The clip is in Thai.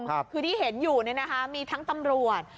คือที่เห็นอยู่เนี่ยนะคะมีทั้งตำรวจ